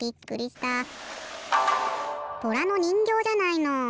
とらのにんぎょうじゃないの。